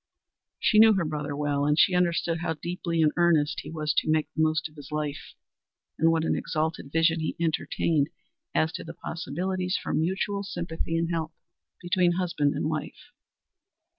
She knew her brother well, and she understood how deeply in earnest he was to make the most of his life, and what an exalted vision he entertained as to the possibilities for mutual sympathy and help between husband and wife.